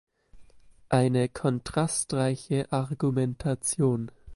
Eine kontrastreiche Argumentation.